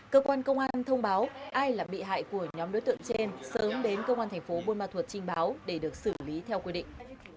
cơ quan công an thông báo ai là bị hại của nhóm đối tượng trên sớm đến công an thành phố buôn ma thuật trình báo để được xử lý theo quy định